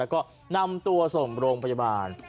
ก็นำตัวส่งโรงพยาบาล